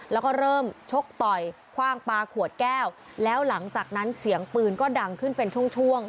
แล้วก็เริ่มชกต่อยคว่างปลาขวดแก้วแล้วหลังจากนั้นเสียงปืนก็ดังขึ้นเป็นช่วงช่วง